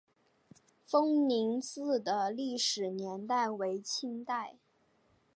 丰宁寺的历史年代为清代。